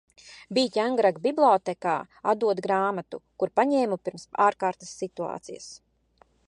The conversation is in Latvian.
Biju Ķengaraga bibliotēkā atdot grāmatu, kuru paņēmu pirms ārkārtas situācijas.